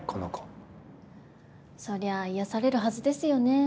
そりゃ癒やされるはずですよね。